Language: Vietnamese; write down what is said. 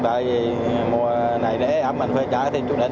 tại vì mùa này để ẩm mình phải trả thêm chút lợi nhuận